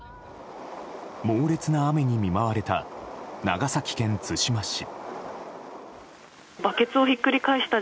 猛烈な雨に見舞われた長崎県対馬市。